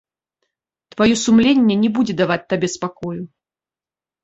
Тваё сумленне не будзе даваць табе спакою.